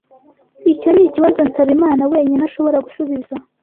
Icyo nikibazo Nsabimana wenyine ashobora gusubiza.